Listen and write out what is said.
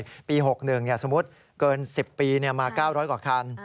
อย่างปี๖๑เนี่ยสมมติเกิน๑๐ปีเนี่ยมา๙๐๐กว่าคัน